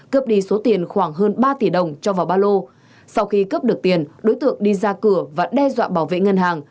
cướp đi số tiền khoảng hơn ba tỷ đồng cho vào ba lô sau khi cướp được tiền đối tượng đi ra cửa và đe dọa bảo vệ ngân hàng